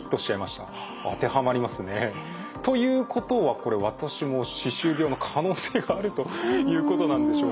当てはまりますね。ということはこれ私も歯周病の可能性があるということなんでしょうね。